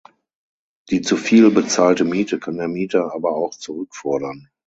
Die zu viel bezahlte Miete kann der Mieter aber auch zurückfordern.